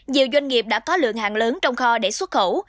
nhiều doanh nghiệp đã có lượng hàng lớn trong kho để xuất khẩu